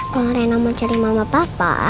kalau rena mau cari mama papa